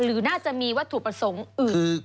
หรือน่าจะมีวัตถุประสงค์อื่น